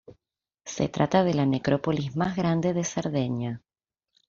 Se trata de la necrópolis más grande de Cerdeña.